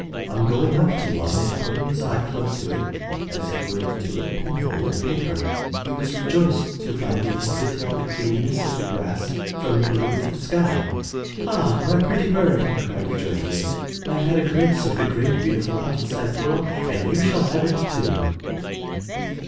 On going up to one and putting his eye close to it as he would to a pinhole in a paper, he was rejoiced to find that he could tell the greenness of the grass from the blue of the sky. "Ah, my pretty bird,'* he cried joyfully, "I have had a glimpse of the great, beautiful outside world and you shall have it too.''